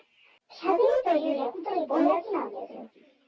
しゃべりというより本当にぼやきなんですよ。